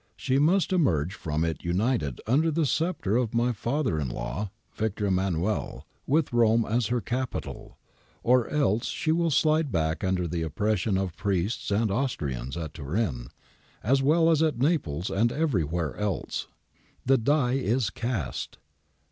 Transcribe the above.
She must emerge from it united under the sceptre of my father in law [Victor Emmanuel] with Rome as her capital, or else she will slide back under the oppression of priests and Austrians, at Turin as well as at Naples and everywhere else. The die is cast.